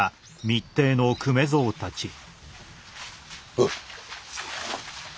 おう。